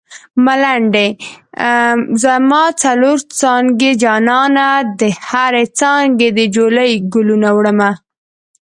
ملنډۍ: زما څلور څانګې جانانه د هرې څانګې دې جولۍ ګلونه وړمه